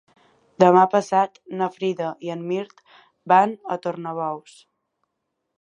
Demà passat na Frida i en Mirt van a Tornabous.